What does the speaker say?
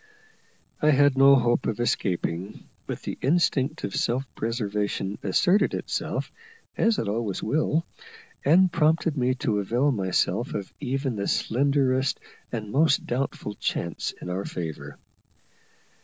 I had no hope of escaping, but the instinct of self preservation asserted itself, as it always will, and prompted me to avail myself of even the slenderest and most doubtful chance in our favour.